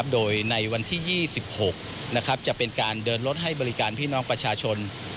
โดยในวันที่๒๖จะเป็นการเดินรถให้บริการพี่น้องประชาชน